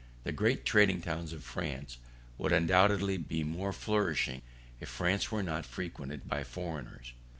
The great trading towns of France would undoubtedly be more flourishing, if France were not frequented by foreigners.